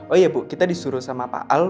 oh iya bu kita disuruh sama pak al